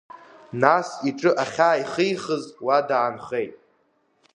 Нас иҿы ахьааихихыз уа даанхеит…